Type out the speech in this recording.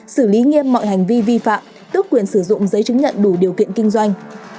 xử lý nghiêm mọi hành vi vi phạm tước quyền sử dụng giấy chứng nhận đủ điều kiện kinh doanh